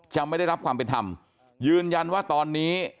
ไม่ได้รับความเป็นธรรมยืนยันว่าตอนนี้